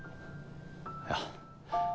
いや。